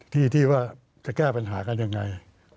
ที่ว่าจะแก้ปัญหากันยังไง